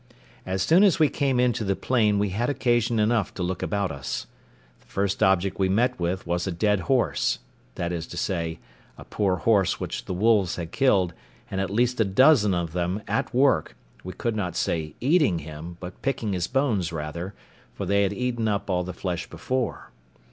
As soon as we came into the plain, we had occasion enough to look about us. The first object we met with was a dead horse; that is to say, a poor horse which the wolves had killed, and at least a dozen of them at work, we could not say eating him, but picking his bones rather; for they had eaten up all the flesh before.